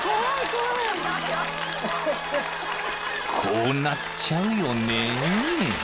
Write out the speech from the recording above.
［こうなっちゃうよね］